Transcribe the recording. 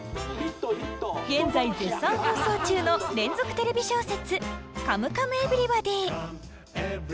現在絶賛放送中の連続テレビ小説「カムカムエヴリバディ」。